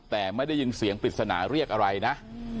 แต่ไม่ได้ยินเสียงปริศนาเรียกอะไรนะ